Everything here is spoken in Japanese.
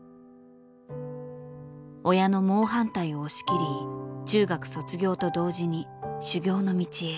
親の猛反対を押し切り中学卒業と同時に修業の道へ。